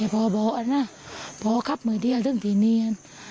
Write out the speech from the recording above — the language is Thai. พอบอกนะพอเขาขับมือเดียวซึ่งทีนี้